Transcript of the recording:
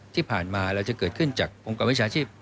ที่ผ่านมาเราจะเกิดขึ้นจากองค์กรวิชาชีพ